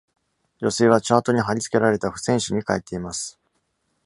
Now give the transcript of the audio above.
女性は、チャートに貼り付けられた付箋紙に書いています。